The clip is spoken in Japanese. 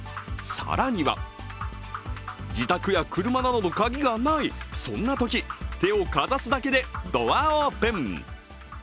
更には自宅や車などの鍵がない、そんなとき、手をかざすだけでドアオープン。